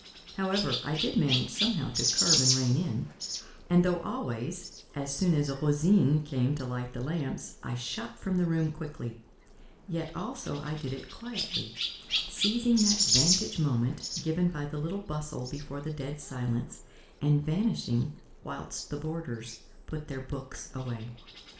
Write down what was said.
However, I did manage somehow to curb and rein in; and though always, as soon as Rosine came to light the lamps, I shot from the room quickly, yet also I did it quietly; seizing that vantage moment given by the little bustle before the dead silence, and vanishing whilst the boarders put their books away.